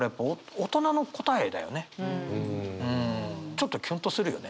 ちょっとキュンとするよね。